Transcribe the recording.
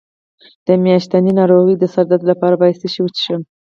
د میاشتنۍ ناروغۍ د سر درد لپاره باید څه شی وڅښم؟